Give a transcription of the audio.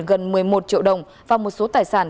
gần một mươi một triệu đồng và một số tài sản